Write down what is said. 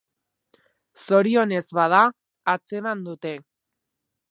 Zorionez, bada, atzeman dute.